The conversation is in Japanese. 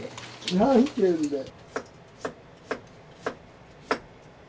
何言ってるんだよ。